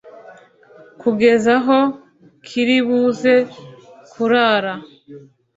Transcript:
Kugeza aho kiribuze kurara